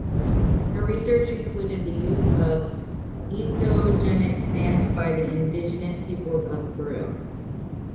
Her research included the use of entheogenic plants by the indigenous peoples of Peru.